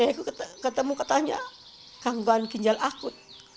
ya aku ketemu katanya gangguan ginjal akut